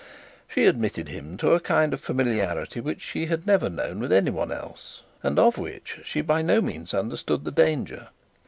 She admitted him to a kind of familiarity which she had never known with any one else, and of which she by no means understood the danger.